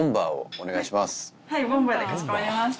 はいボンバでかしこまりました。